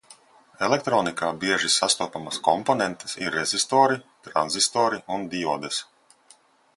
Elektronikā bieži sastopamas komponentes ir rezistori, tranzistori un diodes.